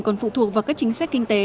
còn phụ thuộc vào các chính sách kinh tế